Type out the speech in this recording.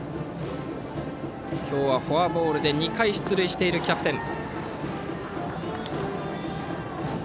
今日はフォアボールで２回出塁しているキャプテン。